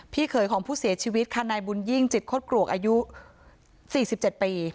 เขยของผู้เสียชีวิตค่ะนายบุญยิ่งจิตโคตรกรวกอายุ๔๗ปี